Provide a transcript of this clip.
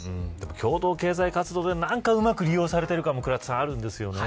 共同経済活動で、何かうまく利用されている感じもあるんですよね。